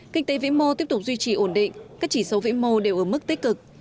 kinh tế vĩ mô tiếp tục duy trì ổn định các chỉ số vĩ mô đều ở mức tích cực